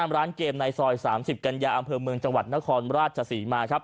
ร้านเกมในซอย๓๐กันยาอำเภอเมืองจังหวัดนครราชศรีมาครับ